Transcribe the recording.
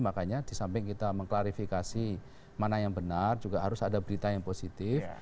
makanya di samping kita mengklarifikasi mana yang benar juga harus ada berita yang positif